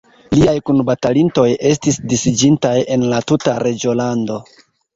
Liaj kunbatalintoj estis disiĝintaj en la tuta reĝolando.